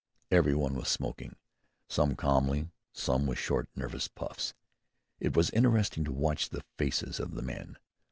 Every one was smoking some calmly, some with short, nervous puffs. It was interesting to watch the faces of the men.